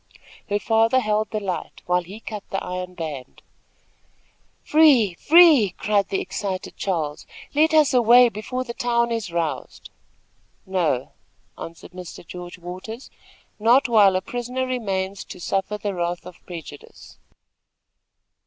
Her father held the light, while he cut the iron band. "Free! free!" cried the excited Charles. "Let us away before the town is roused!" "No," answered Mr. George Waters; "not while a prisoner remains to suffer the wrath of prejudice."